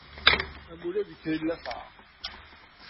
Amulab ikker i llafɛa.